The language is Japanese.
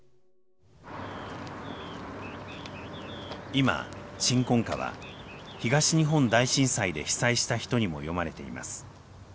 今「鎮魂歌」は東日本大震災で被災した人にも読まれています。